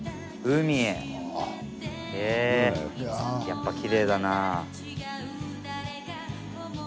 やっぱ、きれいだな。